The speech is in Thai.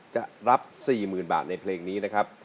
จะรับ๔๐๐๐บาทในเพลงนี้นะครับ